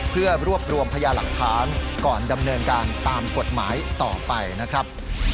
เพื่อรวบรวมพยาหลักฐานก่อนดำเนินการตามกฎหมายต่อไปนะครับ